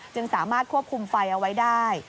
สามารถควบคุมไฟเอาไว้ได้